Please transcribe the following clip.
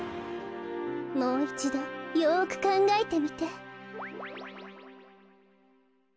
もういちどよくかんがえてみて。